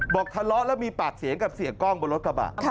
บอกทะเลาะแล้วมีปากเสียงกับเสียกล้องบนรถกระบะ